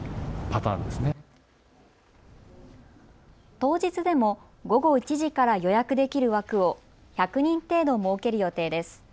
当日でも午後１時から予約できる枠を１００人程度、設ける予定です。